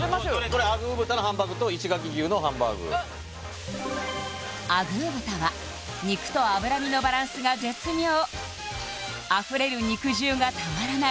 これあぐー豚のハンバーグと石垣牛のハンバーグあぐー豚は肉と脂身のバランスが絶妙あふれる肉汁がたまらない